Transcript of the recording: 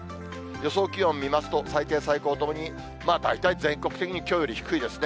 予想気温見ますと、最低最高ともに大体、全国的にきょうより低いですね。